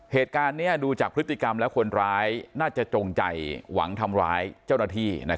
เหตุการณ์นี้ดูจากพฤติกรรมแล้วคนร้ายน่าจะจงใจหวังทำร้ายเจ้าหน้าที่